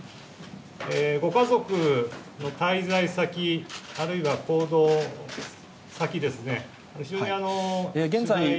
ご家族の滞在先、あるいは行動先ですね、非常に。